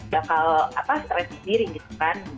bakal stres sendiri gitu kan